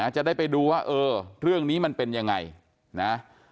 จะได้ไปดูว่าเออเรื่องนี้มันเป็นยังไงนะ